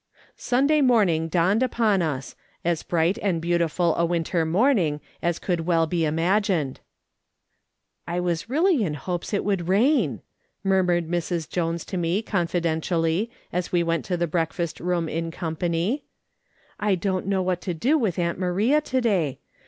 Sunday morning dawned upon us ; as bright and beautiful a winter morning as could well be imagined. " I was really in hopes it would rain," murmured Mrs. Jonas to me contidentially, as we went to the breakfast room in company. " I don't know what to do ^vith aunt Maria to day.